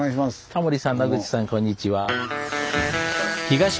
タモリさん野口さんこんにちは。